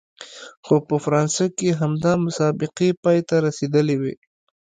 خو په فرانسه کې همدا مسابقې پای ته رسېدلې وې.